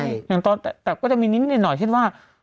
ใช่แต่ก็จะมีนิดหน่อยเช่นว่า